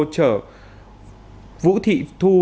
trở vũ thị thu